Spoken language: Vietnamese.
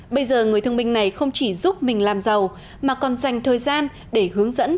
bây giờ người thương binh này không chỉ giúp mình làm giàu mà còn dành thời gian để hướng dẫn